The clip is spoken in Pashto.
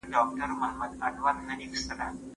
زه له سهاره د کتابتون پاکوالی کوم!